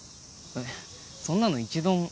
そんなの一度も。